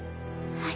はい！